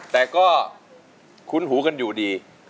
แต่ก็คุ้นหูกันอยู่ดี